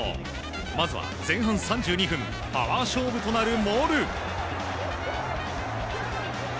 まずは前半３２分パワー勝負となるモール。